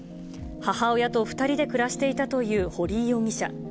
母親と２人で暮らしていたという堀井容疑者。